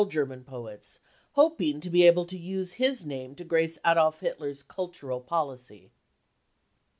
German poets, hoping to be able to use his name to grace ! Adolf Hitler's cultural policy.